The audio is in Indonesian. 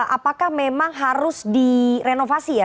apakah memang harus direnovasi ya